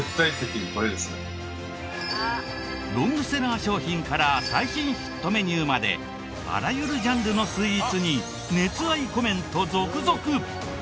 ロングセラー商品から最新ヒットメニューまであらゆるジャンルのスイーツに熱愛コメント続々！